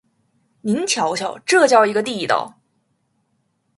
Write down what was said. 您瞧瞧，这叫一个地道！